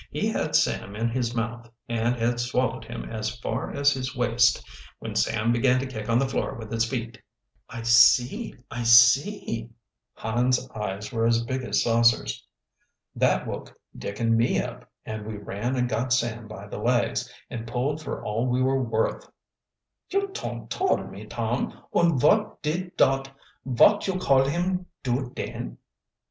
He had Sam in his mouth, and had swallowed him as far as his waist, when Sam began to kick on the floor with his feet." "I see, I see " Hans' eyes were as big as saucers. "That woke Dick and me up, and we ran and got Sam by the legs, and pulled for all we were worth." "You ton't tole me, Tom! Und vot did dot vot you call him do den?"